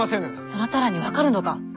そなたらに分かるのか。